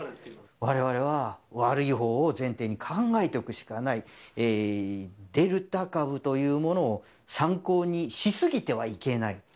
われわれは悪いほうを前提に考えておくしかない、デルタ株というものを参考にし過ぎてはいけない。